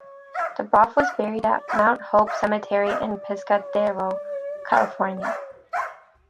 Dubroff was buried at Mount Hope Cemetery in Pescadero, California.